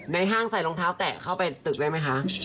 ห้างใส่รองเท้าแตะเข้าไปตึกได้ไหมคะ